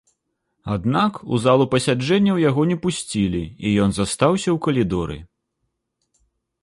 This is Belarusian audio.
Аднак у залу пасяджэнняў яго не пусцілі і ён застаўся ў калідоры.